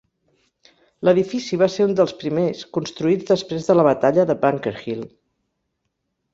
L'edifici va ser un dels primers construïts després de la Batalla de Bunker Hill.